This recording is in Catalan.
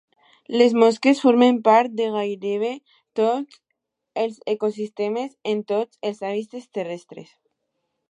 Les mosques formen part de gairebé tots els ecosistemes, en tots els hàbitats terrestres.